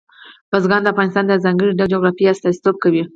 بزګان د افغانستان د ځانګړي ډول جغرافیه استازیتوب کوي.